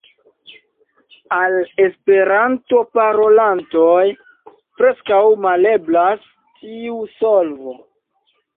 Al Esperanto-parolantoj preskaŭ maleblas tiu solvo.